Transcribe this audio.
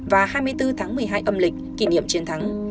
và hai mươi bốn tháng một mươi hai âm lịch kỷ niệm chiến thắng